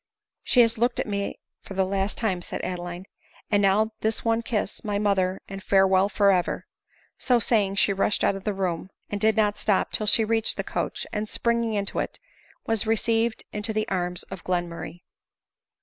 " She has looked at me for the last time," said Adeline; " and now this one kiss, my mother, and farewell for ever !" So saying she rushed out of the room, and did not stop till she reached the coach, and, springing into it, was received into the arms of Glenmurray.